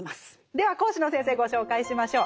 では講師の先生ご紹介しましょう。